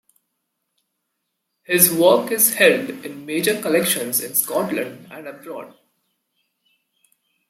His work is held in major collections in Scotland and abroad.